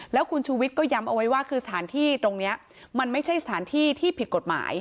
แล้วคุณชูวิทย์ก็ย้ำเอาไว้ว่าคือสถานที่ตรงนี้มันไม่ใช่สถานที่ที่ผิดกฎหมาย